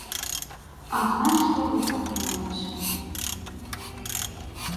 Акнаш йырет савырналеш.